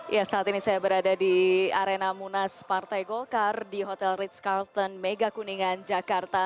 ya saat ini saya berada di arena munas partai golkar di hotel ritz carlton mega kuningan jakarta